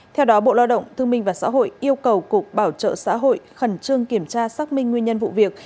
theo đó bộ lao động thương minh và xã hội yêu cầu cục bảo trợ xã hội khẩn trương kiểm tra xác minh nguyên nhân vụ việc